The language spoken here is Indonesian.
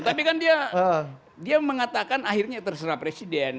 tapi kan dia mengatakan akhirnya terserah presiden